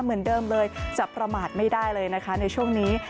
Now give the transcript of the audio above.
เหมือนเดิมเลยจะประมาทไม่ได้เลยนะคะในช่วงนี้